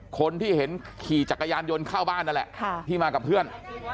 คนที่เห็นขี่จักรยานยนต์เข้าบ้านนั่นแหละที่มากับเพื่อน